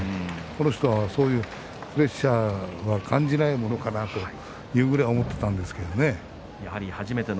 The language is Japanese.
この人はそういうプレッシャーは感じないものかなというふうに思っていたんですけれどね。